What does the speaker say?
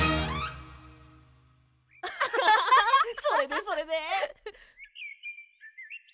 それでそれで？